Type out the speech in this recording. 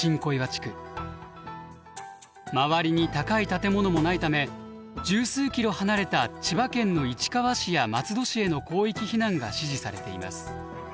周りに高い建物もないため十数キロ離れた千葉県の市川市や松戸市への広域避難が指示されています。